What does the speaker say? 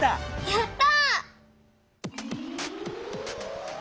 やった！